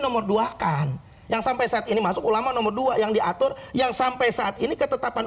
nomor dua kan yang sampai saat ini masuk ulama nomor dua yang diatur yang sampai saat ini ketetapan